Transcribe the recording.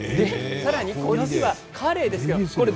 さらに隣はカレイです。